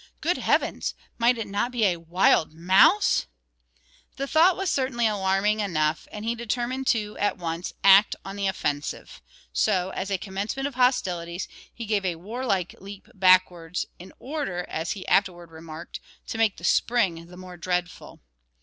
Good heavens! might it not be a wild mouse?" The thought was certainly alarming enough, and he determined to, at once, act on the offensive; so, as a commencement of hostilities, he gave a warlike leap backwards, "in order," as he afterwards remarked, "to make the spring the more dreadful."